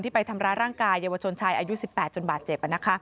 ไปทำร้ายร่างกายเยาวชนชายอายุ๑๘จนบาดเจ็บ